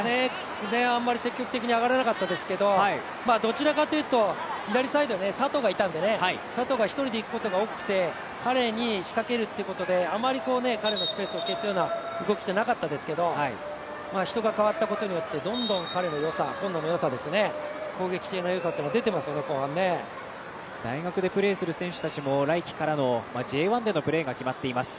前半、あんまり積極的に上がれなかったですけどどちらかというと左サイド、佐藤がいたんで佐藤が一人でいくことが多くて彼に、仕掛けるってことであまり、彼のスペースを消すような動きってなかったですけど人が代わったことによって、どんどん今野の良さ攻撃性の良さが出てますよね、後半大学でプレーする選手たちも、来季からのＪ１でのプレーが決まっています。